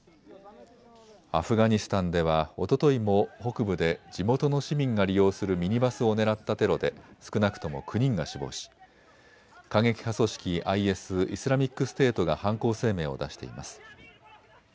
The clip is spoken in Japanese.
アフガニスタンではおとといも北部で地元の市民が利用するミニバスを狙ったテロで少なくとも９人が死亡し過激派組織ＩＳ・イスラミックステートが犯行声明を出しています。